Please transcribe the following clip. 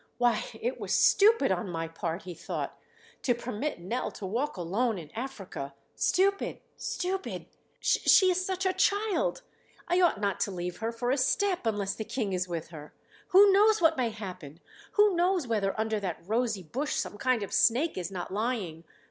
"Why, it was stupid on my part," he thought, "to permit Nell to walk alone in Africa. Stupid, stupid. She is such a child! I ought not to leave her for a step unless the King is with her. Who knows what may happen! Who knows whether under that rosy bush some kind of snake is not lying!